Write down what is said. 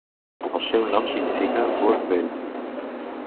El seu nom significa burg vell.